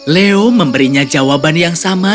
leo memberinya jawaban yang sama